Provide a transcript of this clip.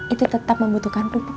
itu tetap membutuhkan pupuk